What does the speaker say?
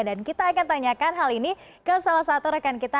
dan kita akan tanyakan hal ini ke salah satu rekan kita